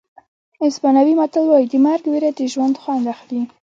اسپانوي متل وایي د مرګ وېره د ژوند خوند اخلي.